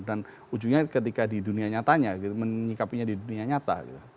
dan ujungnya ketika di dunia nyatanya gitu menyikapinya di dunia nyata gitu